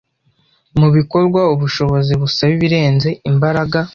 Mubikorwa, ubushobozi busaba ibirenze imbaraga.